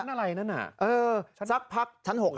มันอะไรนั่นน่ะเออชั้น๖ค่ะสักพัก